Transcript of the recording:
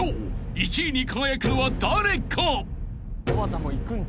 １位に輝くのは誰か！？］